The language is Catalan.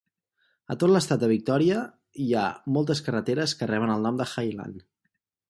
A tot l'estat de Victoria hi ha moltes carreteres que reben el nom de Hyland.